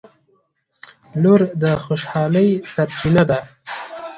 • لور د خوشحالۍ سرچینه ده.